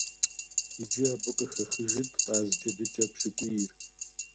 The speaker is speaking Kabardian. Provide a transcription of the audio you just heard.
Иджы абы къыхэхыжыт къаз джэдыкӀэ пщыкӀуийр.